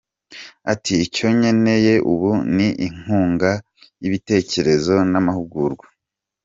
Ati “Icyo nkeneye ubu ni inkunga y’ibitekerezo n’amahugurwa.